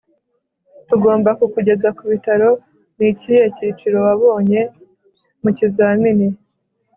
tugomba kukugeza ku bitaro. ni ikihe cyiciro wabonye mu kizamini